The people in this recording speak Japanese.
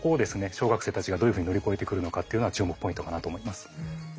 小学生たちがどういうふうに乗り越えてくるのかっていうのは注目ポイントかなと思います。